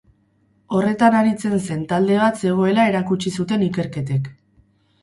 Horretan aritzen zen talde bat zegoela erakutsi zuten ikerketek.